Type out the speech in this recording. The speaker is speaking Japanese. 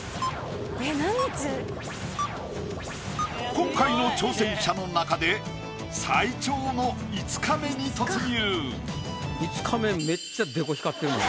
今回の挑戦者の中で最長の５日目に突入。